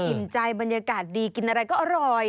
ใจบรรยากาศดีกินอะไรก็อร่อย